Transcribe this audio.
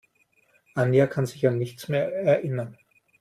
Anja kann sich an nichts mehr erinnern.